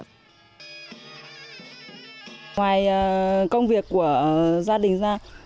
ngoài công việc của gia đình ra